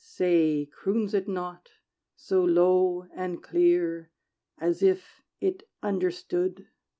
Say, croons it not, so low and clear, As if it understood?"